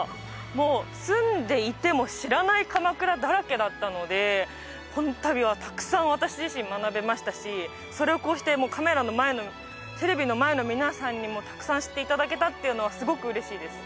もう住んでいても知らない鎌倉だらけだったのでこの度はたくさん私自身学べましたしそれをこうしてカメラの前のテレビの前の皆さんにもたくさん知っていただけたっていうのはすごく嬉しいです